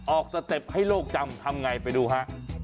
สเต็ปให้โลกจำทำไงไปดูฮะ